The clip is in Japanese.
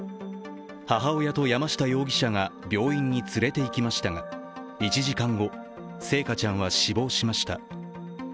母親と山下容疑者が病院に連れていきましたが１時間後、星華ちゃんは死亡しました。